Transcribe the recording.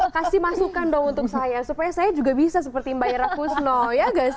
kasih masukan dong untuk saya supaya saya juga bisa seperti mbak ira kusno ya